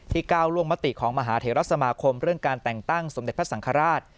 ก้าวล่วงมติของมหาเทราสมาคมเรื่องการแต่งตั้งสมเด็จพระสังฆราช